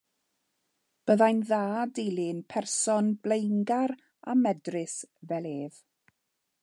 Byddai'n dda dilyn person blaengar a medrus fel ef.